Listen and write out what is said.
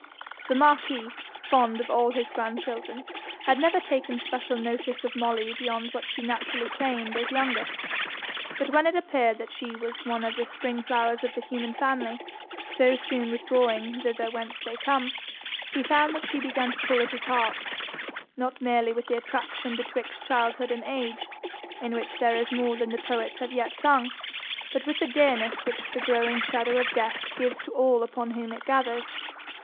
The marquis, fond of all his grandchildren, had never taken special notice of Molly beyond what she naturally claimed as youngest. But when it appeared that she was one of the spring flowers of the human family, so soon withdrawing thither whence they come, he found that she began to pull at his heart, not merely with the attraction betwixt childhood and age, in which there is more than the poets have yet sung, but with the dearness which the growing shadow of death gives to all upon whom it gathers.